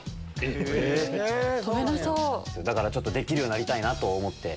だからできるようになりたいなと思って。